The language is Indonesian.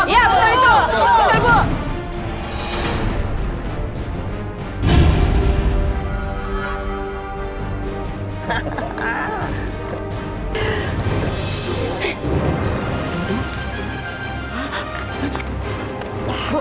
iya benar itu